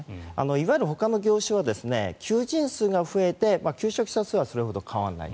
いわゆるほかの業種は求人数が増えて求職者数はそれほど変わらない。